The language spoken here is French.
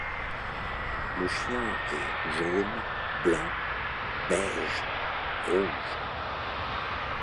Le chien est jaune, blanc, beige, rouge.